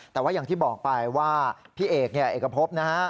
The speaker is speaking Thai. แต่ว่าอย่างที่บอกไปว่าพี่เอกเนี่ยเอกพบนะฮะ